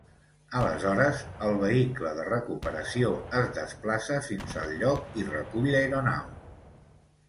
Aleshores el vehicle de recuperació es desplaça fins al lloc i recull l'aeronau.